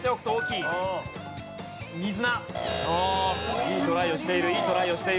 いいトライをしているいいトライをしている。